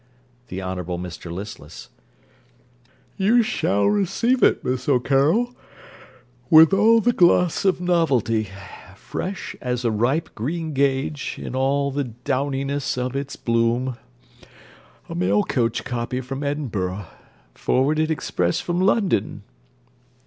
THE HONOURABLE MR LISTLESS You shall receive it, Miss O'Carroll, with all the gloss of novelty; fresh as a ripe green gage in all the downiness of its bloom. A mail coach copy from Edinburgh, forwarded express from London.